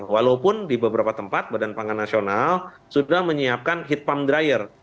walaupun di beberapa tempat badan pangan nasional sudah menyiapkan heat pump dryer